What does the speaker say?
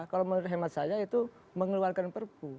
kalau menurut hemat saya itu mengeluarkan perpu